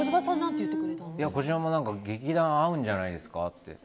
小島も劇団合うんじゃないですかって。